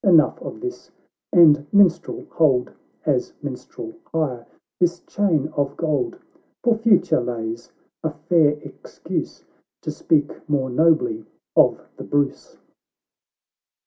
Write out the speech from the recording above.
— Enough of this — And, Minstrel, hold, As minstrel hire, this chain of gold, For future lays a fair excuse, To speak more nobly of the Bruce."